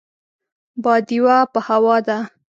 باديوه په هوا ده.